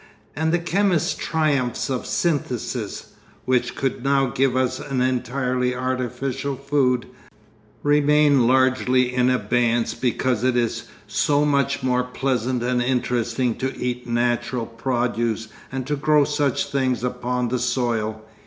And the chemists' triumphs of synthesis, which could now give us an entirely artificial food, remain largely in abeyance because it is so much more pleasant and interesting to eat natural produce and to grow such things upon the soil.